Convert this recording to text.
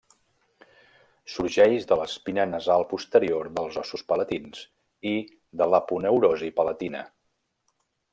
Sorgeix de l'espina nasal posterior dels ossos palatins i de l'aponeurosi palatina.